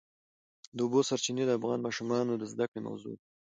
د اوبو سرچینې د افغان ماشومانو د زده کړې موضوع ده.